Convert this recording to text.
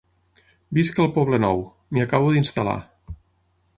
Visc al Poblenou. M'hi acabo d'instal·lar.